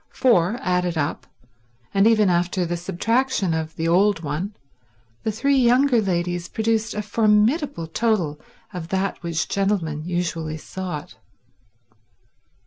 For, added up, and even after the subtraction of the old one, the three younger ladies produced a formidable total of that which gentlemen usually sought.